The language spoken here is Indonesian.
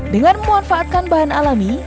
dengan memanfaatkan bahan alami